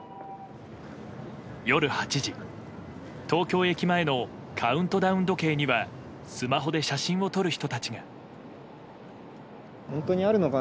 夜８時、東京駅前のカウントダウン時計にはスマホで写真を撮る人たちが。